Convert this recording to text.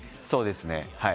そうですね。